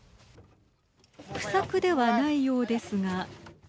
不作ではないようですが。